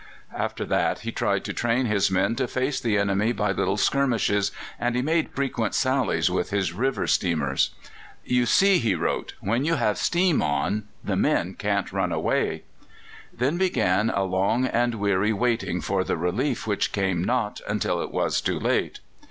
After that he tried to train his men to face the enemy by little skirmishes, and he made frequent sallies with his river steamers. "You see," he wrote, "when you have steam on the men can't run away." Then began a long and weary waiting for the relief which came not until it was too late.